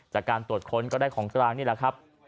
จากการตรวจค้นก็ได้ของกลางนี่แหละครับ